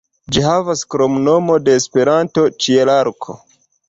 Ĝi havas kromnomo de Esperanto "Ĉielarko".